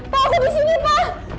papa aku disini pa